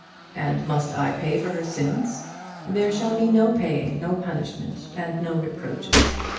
"And must I pay for her sins?" "There shall be no paying, no punishment, and no reproaches.